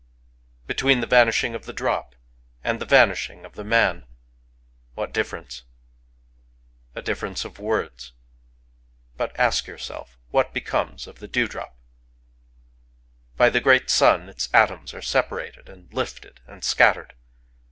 Between the vanishing of the drop and the van ishing of the man, what difference ? A difference of words. ... But ask yourself what becomes of the dewdrop ? By the great sun its atoms are separated and lifted and scattered.